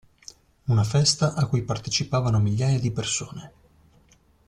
Una festa a cui partecipavano migliaia di persone.